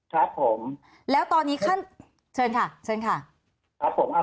ครับผมแล้วตอนนี้ขั้นเชิญค่ะเชิญค่ะครับผมครับ